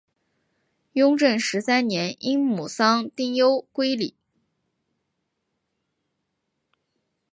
雍正十三年因母丧丁忧归里。